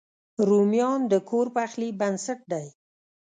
رومیان د کور پخلي بنسټ دی